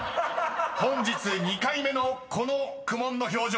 ［本日２回目のこの苦悶の表情です］